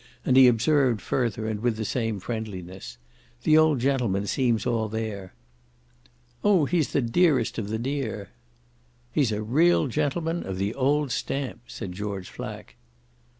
And he observed further and with the same friendliness: "The old gentleman seems all there." "Oh he's the dearest of the dear." "He's a real gentleman of the old stamp," said George Flack.